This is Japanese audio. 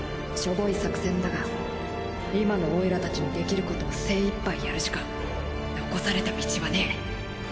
しょぼい作戦だが今のオイラたちにできることを精いっぱいやるしか残された道はねえ